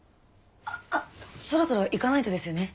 あっそろそろ行かないとですよね